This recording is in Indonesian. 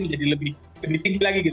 menjadi lebih tinggi lagi